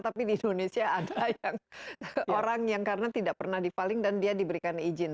tapi di indonesia ada yang orang yang karena tidak pernah dipaling dan dia diberikan izin